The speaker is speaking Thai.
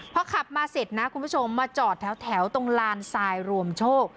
พอขับมาเสร็จนะคุณผู้ชมมาจอดแถวตรงลานทรายรวมโชค